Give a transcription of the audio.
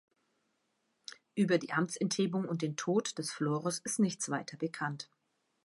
Über die Amtsenthebung und den Tod des Florus ist nichts weiter bekannt.